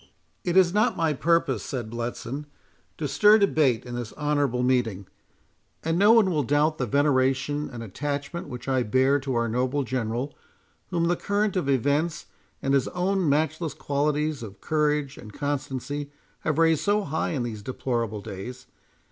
"It is not my purpose," said Bletson, "to stir debate in this honourable meeting; and no one will doubt the veneration and attachment which I bear to our noble General, whom the current of events, and his own matchless qualities of courage and constancy, have raised so high in these deplorable days.